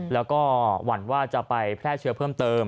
แล้วก็หวั่นว่าจะไปแพร่เชื้อเพิ่มเติม